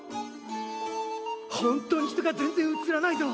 本当に人が全然写らないぞ！